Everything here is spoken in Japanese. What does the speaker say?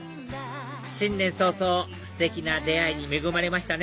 新年早々ステキな出会いに恵まれましたね